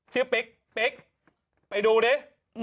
เพียกไปดูดิ